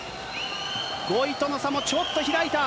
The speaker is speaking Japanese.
５位との差もちょっと開いた。